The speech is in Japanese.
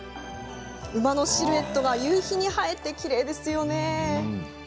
馬のシルエットが夕日に映えてきれいですよね。